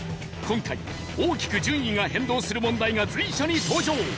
今回大きく順位が変動する問題が随所に登場。